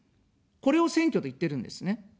これを選挙と言ってるんですね。